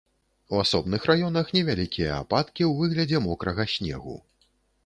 У асобных раёнах невялікія ападкі ў выглядзе мокрага снегу.